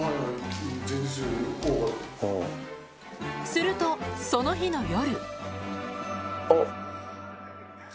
するとその日の夜おっ。